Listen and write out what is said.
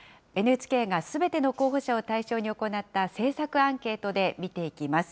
ＮＨＫがすべての候補者を対象に行った政策アンケートで見ていきます。